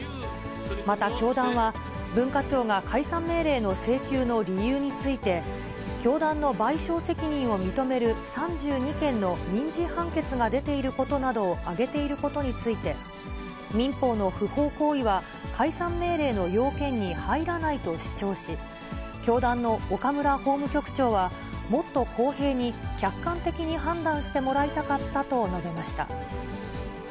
また教団は、文化庁が解散命令の請求の理由について、教団の賠償責任を認める３２件の民事判決が出ていることなどを挙げていることについて、民法の不法行為は解散命令の要件に入らないと主張し、教団の岡村法務局長は、もっと公平に、客観的に判断してもらいたかったと述べました。